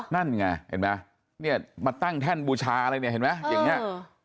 นั่นไงเห็นไหมมาตั้งแท่นบูชาอะไรเห็นไหมอย่างนี้